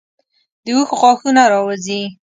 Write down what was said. د اوښ غاښونه راوځي.